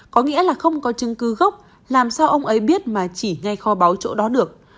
có nghĩa là không có chứng cứ gốc làm sao ông ấy biết mà chỉ ngay kho báu chỗ đó được